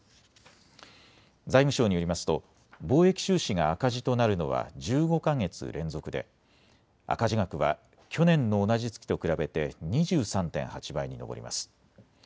財務省によりますと貿易収支が赤字となるのは１５か月連続で赤字額は去年の同じ月と比べて２３．８倍に上ります。